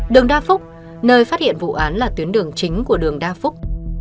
đường đa phúc nơi phát hiện vụ án là tuyến đường chính của đường đa phúc